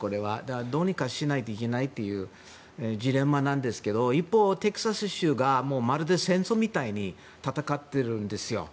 どうにかしないといけないというジレンマなんですけど一方、テキサス州がまるで戦争みたいに戦っているんですよ。